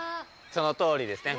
そのとおりですね。